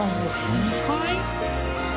２階？